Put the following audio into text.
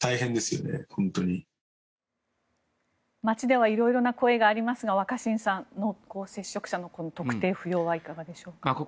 街では色々な声がありますが、若新さん濃厚接触者の特定不要はいかがでしょうか。